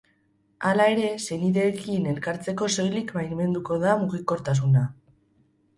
Hala ere, senideekin elkartzeko soilik baimenduko da mugikortasuna.